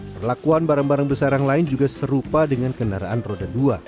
perlakuan barang barang besar yang lain juga serupa dengan kendaraan roda dua